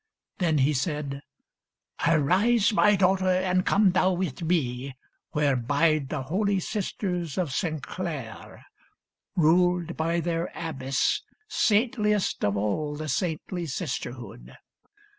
Then he said " Arise, my daughter, and come thou with me Where bide the holy sisters of St. Clare, Ruled by their abbess, saintliest of all The saintly sisterhood.